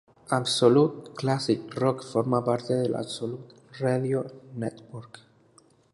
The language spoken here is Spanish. Absolute Classic Rock forma parte de "Absolute Radio Network".